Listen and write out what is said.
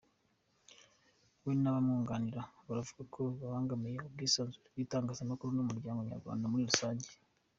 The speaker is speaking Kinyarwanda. We n’abamwunganira baravuga ko zibangamiye ubwisanzure bw’itangazamakuru n’umuryango nyarwanda muri rusange.